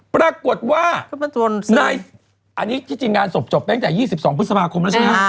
ปรากฏว่าอันนี้จริงงานศพจบตั้งแต่๒๒พฤษภาคม